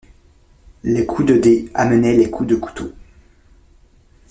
Les coups de dés amenaient les coups de couteau.